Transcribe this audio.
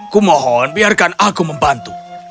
kumohon biarkan aku membantu